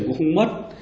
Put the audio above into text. cũng không mất